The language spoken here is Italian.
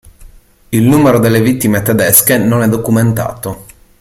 Il numero delle vittime tedesche non è documentato.